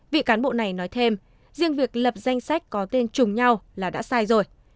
vị cán bộ này nói thêm riêng việc lập danh sách có tên chung nhau là đã sai rồi